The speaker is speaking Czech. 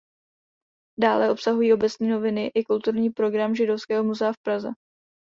Dále obsahují Obecní noviny i kulturní program Židovského muzea v Praze.